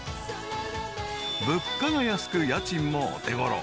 ［物価が安く家賃もお手ごろ］